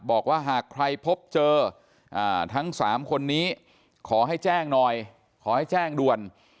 บอกว่าหากใครพบเจอทั้ง๓คนนี้ขอให้แจ้งหน่อยขอให้แจ้งด่วน